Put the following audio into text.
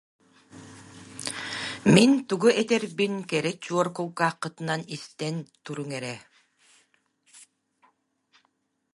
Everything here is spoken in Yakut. Мин тугу этэрбин кэрэ чуор кулгааххытынан истэн туруҥ эрэ